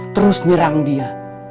terus nyerang dia